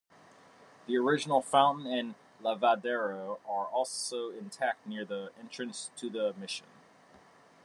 The original fountain and "lavadero" are also intact near the entrance to the Mission.